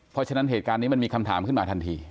เพราะฉะนั้นเหตุการณ์นี้มันมีคำถามขึ้นมาทันที